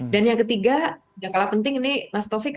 dan yang ketiga yang paling penting ini mas taufik